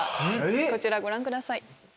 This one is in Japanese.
こちらご覧ください。